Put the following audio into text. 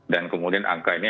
dan kemudian angka ini